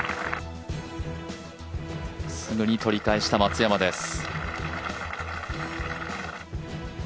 すぐに取り返した松山です。